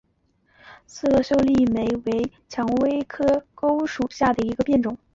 刺萼秀丽莓为蔷薇科悬钩子属下的一个变种。